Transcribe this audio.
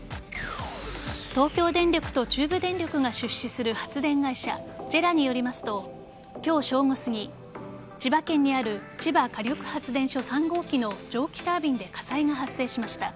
東京電力と中部電力が出資する発電会社・ＪＥＲＡによりますと今日正午すぎ千葉県にある千葉火力発電所３号機の蒸気タービンで火災が発生しました。